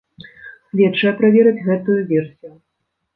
Следчыя правераць гэтую версію.